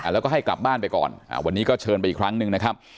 แล้วก็ให้กลับบ้านไปก่อนวันนี้ก็เชิญไปอีกครั้งหนึ่งนะครับ